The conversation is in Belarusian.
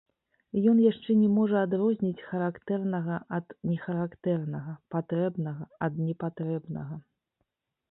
Ён яшчэ не можа адрозніць характэрнага ад нехарактэрнага, патрэбнага ад непатрэбнага.